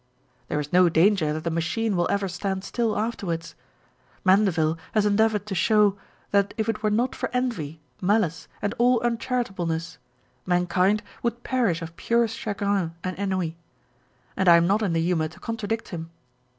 There is no danger that the machine will ever stand still afterwards. Mandeville has endeavoured to show that if it were not for envy, malice, and all un charitableness, mankind would perish of pure chagrin and ennui ; and I am not in the humour to contradict him.